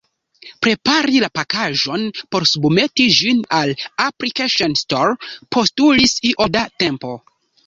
Prepari la pakaĵon por submeti ĝin al App Store postulis iom da tempo.